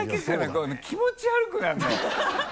この気持ち悪くなるの。